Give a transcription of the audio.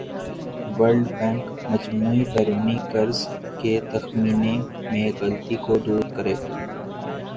world Bank مجموعی بیرونی قرض کے تخمینے میں غلطی کو دور کرے